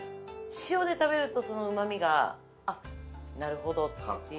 塩で食べるとそのうまみが「あっなるほど」っていうので。